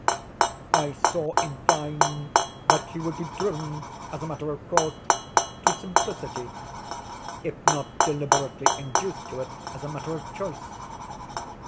I saw, in fine, that he would be driven, as a matter of course, to simplicity, if not deliberately induced to it as a matter of choice.